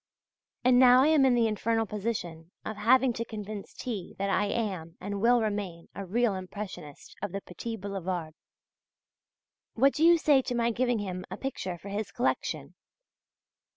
And now I am in the infernal position of having to convince T. that I am and will remain a real Impressionist of the petit boulevard. What do you say to my giving him a picture for his collection?